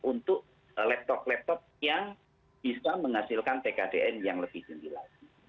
untuk laptop laptop yang bisa menghasilkan tkdn yang lebih tinggi lagi